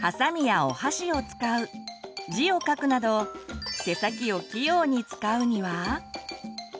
はさみやお箸を使う字を書くなど手先を器用に使うには？